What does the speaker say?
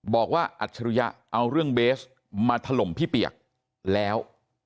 อัจฉริยะเอาเรื่องเบสมาถล่มพี่เปียกแล้ว